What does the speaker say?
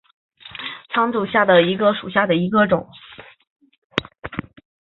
苍山假瘤蕨为水龙骨科假瘤蕨属下的一个种。